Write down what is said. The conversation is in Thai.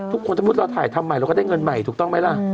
สมมุติเราถ่ายทำใหม่เราก็ได้เงินใหม่ถูกต้องไหมล่ะ